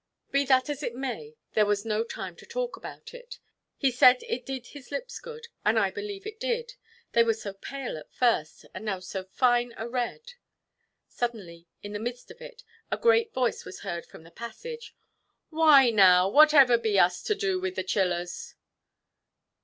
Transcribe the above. Be that as it may, there was no time to talk about it; he said it did his lips good, and I believe it did, they were so pale at first, and now so fine a red. Suddenly in the midst of it, a great voice was heard from the passage: "Why now, what ever be us to do with the chillers?"